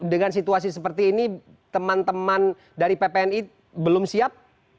dengan situasi seperti ini teman teman dari ppni belum siap